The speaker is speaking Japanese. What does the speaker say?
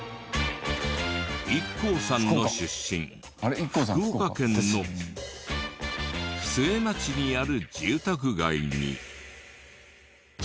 ＩＫＫＯさんの出身福岡県の須恵町にある住宅街に。